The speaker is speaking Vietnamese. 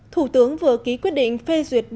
thủ tướng vừa ký quyết định phê duyệt biên tập